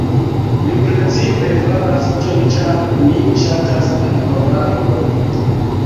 Mi precipe faras tion ĉar mi ŝatas aktoraron